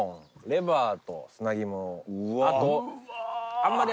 あと。